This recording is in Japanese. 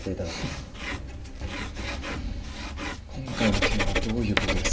今回の件はどういうことですか？